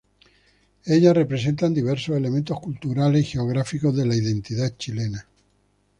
Ellas representan diversos elementos culturales y geográficos de la identidad chilena.